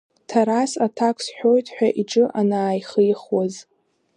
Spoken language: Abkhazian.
Ҭарас аҭак сҳәоит ҳәа иҿы анааихихуаз…